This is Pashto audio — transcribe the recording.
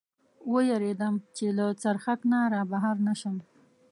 و وېرېدم، چې له څرخک نه را بهر نه شم.